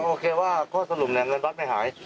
โอเคว่าข้อสรุปเนี่ยเงินวัดไม่หาย